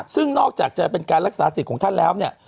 ซึ่งนอกจากจะเป็นการรักษาสิทธิ์ของท่านแล้วเนี่ย